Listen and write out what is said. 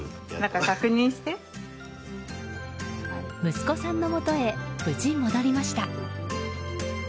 息子さんのもとへ無事戻りました。